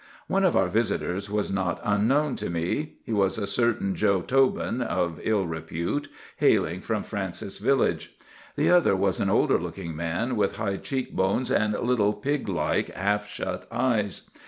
"One of our visitors was not unknown to me. He was a certain Joe Tobin, of ill repute, hailing from Francis Village. The other was an older looking man, with high cheek bones and little, pig like, half shut eyes.